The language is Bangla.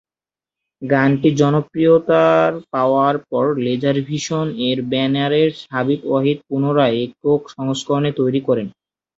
গানটি জনপ্রিয়তার পাওয়ার পর লেজার ভিশন এর ব্যানারে হাবিব ওয়াহিদ পুনরায় একক সংস্করণ তৈরী করেন।